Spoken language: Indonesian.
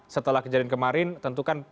setelah kejadian kemarin tentu kan